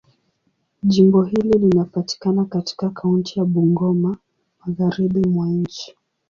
Jimbo hili linapatikana katika kaunti ya Bungoma, Magharibi mwa nchi.